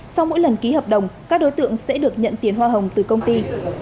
sau mỗi lần ký hợp đồng các đối tượng sẽ được nhận tiền hoa hồng từ công ty